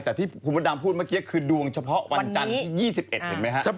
แต่ที่คุณพระดำพูดเมื่อกี้คือดวงเฉพาะวันจันทร์ที่๒๑เห็นไหมครับ